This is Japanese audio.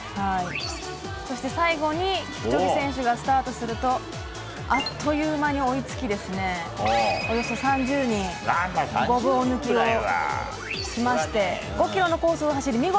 そして最後にキプチョゲ選手がスタートするとあっという間に追いつきおよそ３０人をごぼう抜きをしまして５ｋｍのコースを走り